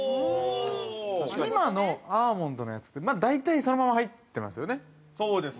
今のアーモンドのやつって大体そのまま入ってますよね。